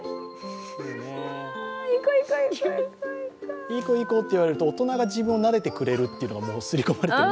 いいこ、いいこっていわれると、大人が自分をなでてくれるっていうのがもう刷り込まれてる。